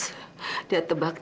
tak ada yang mau balas